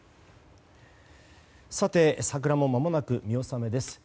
さて桜も間もなく見納めです。